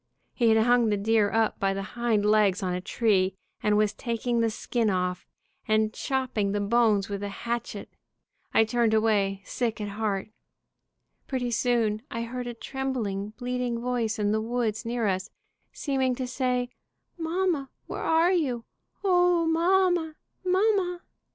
He had hung the deer up by the hind legs on a tree, and was taking the skin off, and chop ping the bones with a hatchet. I turned away, sick at heart. Pretty soon I heard a trembling, bleating voice in the woods near us, seeming to say, 'Mamma, where 174 ANOTHER DEER MURDER CASE are you? O, mamma, mamma.'